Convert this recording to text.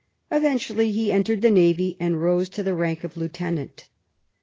Eventually he en tered the navy, and rose to the rank of lieutenant.